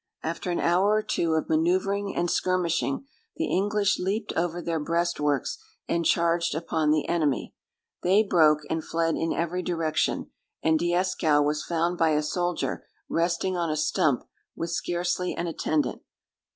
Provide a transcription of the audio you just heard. After an hour or two of manœuvering and skirmishing, the English leaped over their breast works, and charged upon the enemy. They broke, and fled in every direction; and Dieskau was found by a soldier, resting on a stump, with scarcely an attendant.